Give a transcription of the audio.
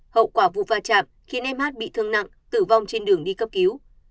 hậu quả vụ va chạm khiến em hát bị thương nặng tử vong trên đường đi cấp cứu